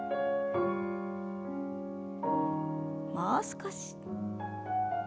もう少し。